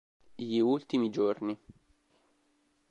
Gli ultimi giorni